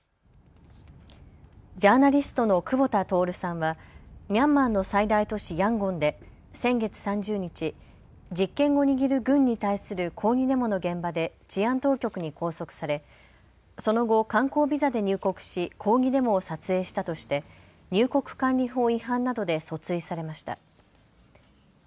ジャーナリストの久保田徹さんはミャンマーの最大都市ヤンゴンで先月３０日、実権を握る軍に対する抗議デモの現場で治安当局に拘束されその後、観光ビザで入国し抗議デモを撮影したとして入国管理法違反などで訴追されました。